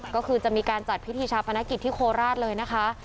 ก็คือจะมีการจัดพิธีชาปนกิจที่โคราชเลยนะคะ